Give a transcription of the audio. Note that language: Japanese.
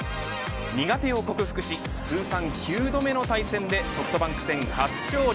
苦手を克服し通算９度目の対戦でソフトバンク戦初勝利。